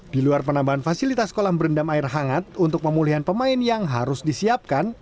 di luar penambahan fasilitas kolam berendam air hangat untuk pemulihan pemain yang harus disiapkan